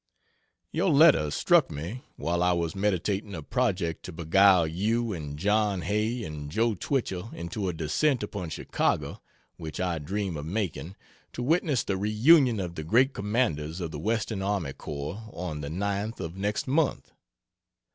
Your letter struck me while I was meditating a project to beguile you, and John Hay and Joe Twichell, into a descent upon Chicago which I dream of making, to witness the re union of the great Commanders of the Western Army Corps on the 9th of next month.